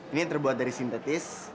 ini terbuat dari sintetis